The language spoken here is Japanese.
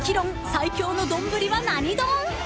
最強の丼は何丼？］